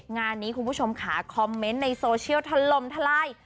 งานนี้คุณผู้ชมค่ะคอมเมนต์ในโซเชียลทะลมทลาย